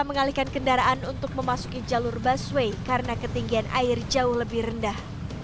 mengalihkan kendaraan untuk memasuki jalur busway karena ketinggian air jauh lebih rendah